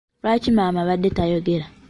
Lwaki maama abadde tayogera?